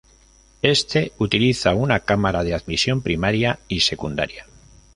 Este utiliza una cámara de admisión primaria y secundaria.